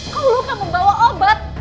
kau lupa membawa obat